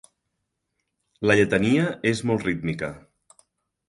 La lletania és molt rítmica.